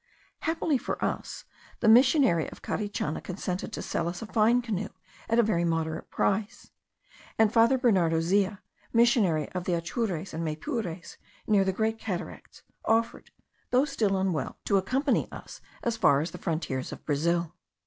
Happily for us, the missionary of Carichana consented to sell us a fine canoe at a very moderate price: and Father Bernardo Zea, missionary of the Atures and Maypures near the great cataracts, offered, though still unwell, to accompany us as far as the frontiers of Brazil.